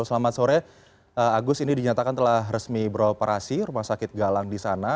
selamat sore agus ini dinyatakan telah resmi beroperasi rumah sakit galang di sana